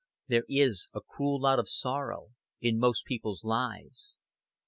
There is a cruel lot of sorrow in most people's lives.